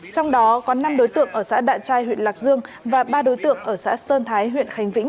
trong đó có năm đối tượng ở xã đạ trai huyện lạc dương và ba đối tượng ở xã sơn thái huyện khánh vĩnh